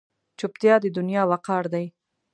چوپتیا، د دنیا وقار دی.